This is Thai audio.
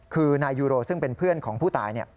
คือนายยูโรซึ่งเป็นเพื่อนของผู้ตาย